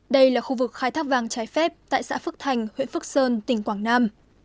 đây là khu vực khai thác vàng trái phép tại xã phước thành huyện phước sơn tỉnh quảng nam